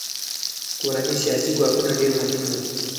کورني سیاسي ګواښونه ډېر مهم وو.